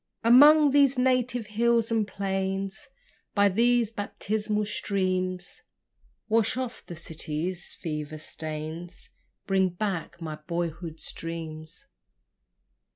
Among these native hills and plains, By these baptismal streams, Wash off the city's fever stains, Bring back my boyhood's dreams.